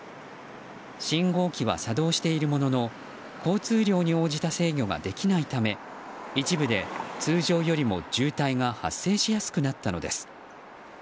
信号機は作動しているものの交通量に応じた制御ができないため一部で通常よりも渋滞が発生しやすくなったのです。